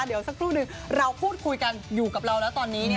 เดี๋ยวสักครู่หนึ่งเราพูดคุยกันอยู่กับเราแล้วตอนนี้